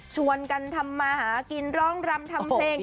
ชวนกันทำมาหากินร้องรำทำเพลง